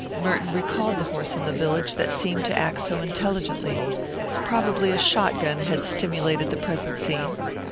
Merton recalled the horse in the village that had seemed to act so intelligently. Probably a shot gun had stimulated the present scene.